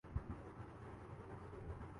اپنی جیب سے زیادہ خرچ نہیں کرتا